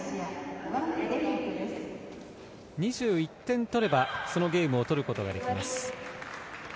２１点取ればそのゲームを取ることができます。